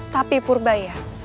tapi purba ya